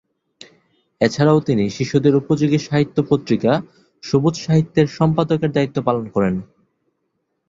এছাড়াও তিনি শিশুদের উপযোগী সাহিত্য পত্রিকা সবুজ সাহিত্যের সম্পাদকের দায়িত্ব পালন করেন।